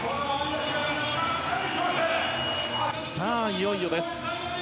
さあ、いよいよです。